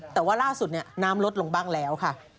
แต่ว่าล่าสุดน้ำลดลงบ้างแล้วค่ะ